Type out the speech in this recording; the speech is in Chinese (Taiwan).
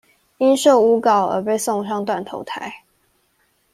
因受誣告而被送上斷頭臺